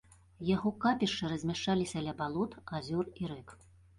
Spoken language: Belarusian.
Яго капішчы размяшчаліся ля балот, азёр і рэк.